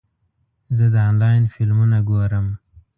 زه د انلاین فلمونه ګورم.